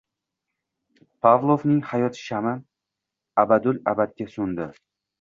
Pavlovning hayot shami abadul-abadga so‘ndi